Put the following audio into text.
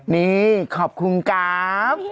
นี่ขอบคุณครับ